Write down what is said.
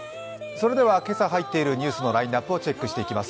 それでは、今朝入っているニュースのラインナップをチェックしていきます。